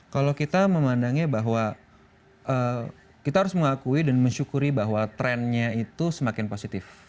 kalau kita memandangnya bahwa kita harus mengakui dan mensyukuri bahwa trennya itu semakin positif